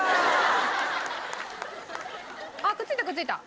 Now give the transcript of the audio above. あっくっついたくっついた！